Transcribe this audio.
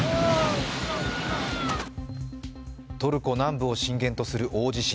トルコ南部を震源とする大地震。